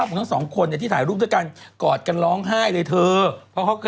กี่ตอนที่ที่ทำลังสูบเวลาสะสอบกันนะคะ